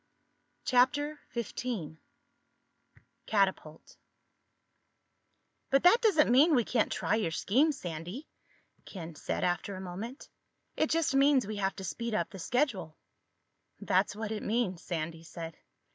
CHAPTER XV CATAPULT "But that doesn't mean we can't try your scheme, Sandy," Ken said after a moment. "It just means we have to speed up the schedule." "That's what it means," Sandy said.